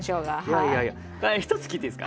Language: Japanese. はい。